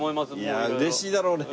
いや嬉しいだろうね。